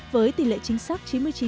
với tỷ lệ chính xác chín mươi chín bảy